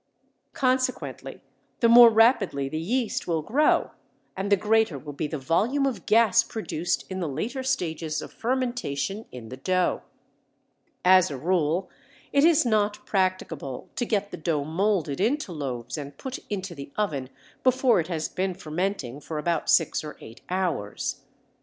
Consequently the more rapidly the yeast will grow, and the greater will be the volume of gas produced in the later stages of fermentation in the dough. As a rule it is not practicable to get the dough moulded into loaves and put into the oven before it has been fermenting for about six or eight hours.